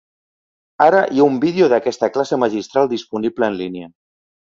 Ara hi ha un vídeo d'aquesta classe magistral disponible en línia.